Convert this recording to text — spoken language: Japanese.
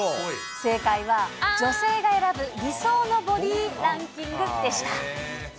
正解は、女性が選ぶ理想のボディランキングでした。